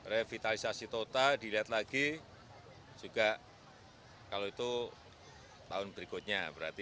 revitalisasi total dilihat lagi juga kalau itu tahun berikutnya berarti dua ribu sembilan belas